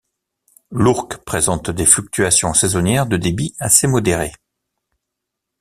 L'Ourcq présente des fluctuations saisonnières de débit assez modérées.